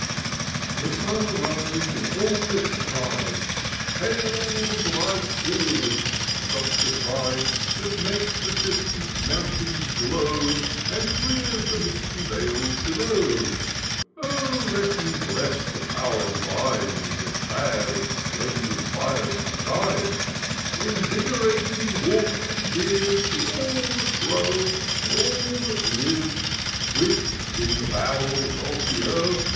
HE sun arose in all its pride :—" Hail the bright orb," the Doctor cried, " That makes the distant mountains glow, And clears the misty vales below ! O ! let me bless the Power divine, That bade its splendid fires to shine : Invigorating warmth to give To all that grow, and all that live ; Which, in the bowels of the earth.